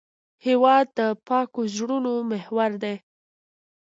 هېواد د پاکو زړونو محور دی.